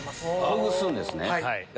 ほぐすんですね。